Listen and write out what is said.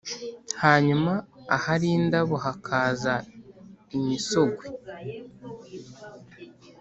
hanyuma ahari indabo hakaza imisogwe.